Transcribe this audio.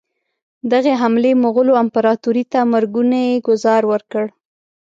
دغې حملې مغولو امپراطوري ته مرګونی ګوزار ورکړ.